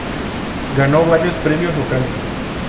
Ganó varios premios locales.